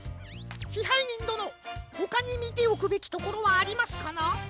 支配人どのほかにみておくべきところはありますかな？